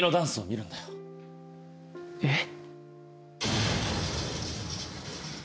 えっ？